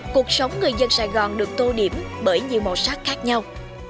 cuộc sống người dân sài gòn được tô điểm bởi nhiều màu sắc khác nhau